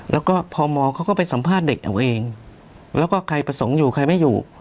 แล้วก็พมเขาก็ไปสัมภาษณ์เด็กเอาเองแล้วก็ใครประสงค์อยู่ใครไม่อยู่